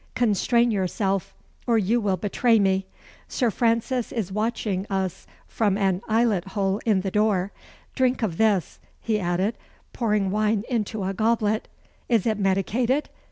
Constrain yourself, or you will betray me. Sir Francis is watching us from an eyelet hole in the door. Drink of this," he added, pouring wine into a goblet. "Is it medicated?"